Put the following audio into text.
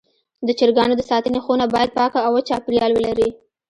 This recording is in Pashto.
د چرګانو د ساتنې خونه باید پاکه او وچ چاپېریال ولري.